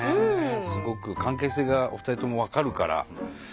すごく関係性がお二人とも分かるから。